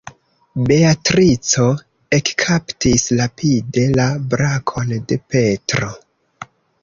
Beatrico ekkaptis rapide la brakon de Petro.